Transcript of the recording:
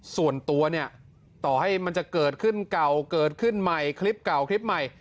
ส่วนตัวเนี่ยต่อให้มันจะเกิดขึ้นเก่าเกิดขึ้นใหม่คลิปเก่าคลิปใหม่